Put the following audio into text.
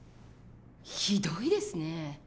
ひどいですね。